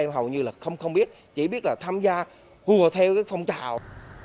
hầu như là không biết chỉ biết là tham gia hùa theo cái phong trào